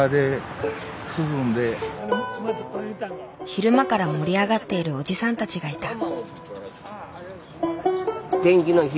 昼間から盛り上がっているおじさんたちがいた。